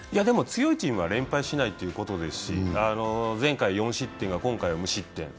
でも、強いチームは連敗しないということですし、前回４失点が今回は無失点。